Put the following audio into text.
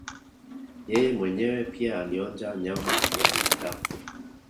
Yeye mwenyewe pia alionja nyama ya binadamu